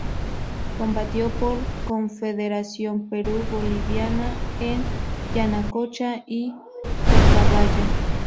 Combatió por la Confederación Perú-Boliviana en Yanacocha y Socabaya.